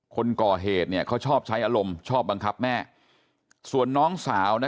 คนก่อเหตุเนี่ยเขาชอบใช้อารมณ์ชอบบังคับแม่ส่วนน้องสาวนะ